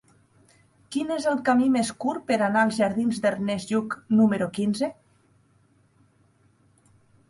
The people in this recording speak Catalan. Quin és el camí més curt per anar als jardins d'Ernest Lluch número quinze?